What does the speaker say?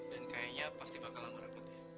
dan kayaknya pasti bakalan berapet ya